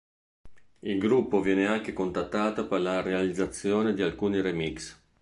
Il gruppo viene anche contattato per la realizzazione di alcuni remix.